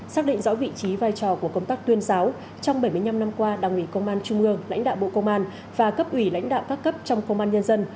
xác định rõ vị trí vai trò của công tác tuyên giáo trong bảy mươi năm năm qua đảng ủy công an trung ương lãnh đạo bộ công an và cấp ủy lãnh đạo các cấp trong công an nhân dân